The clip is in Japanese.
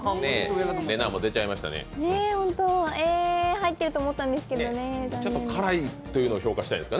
入ってると思ったんですけどね、残念です。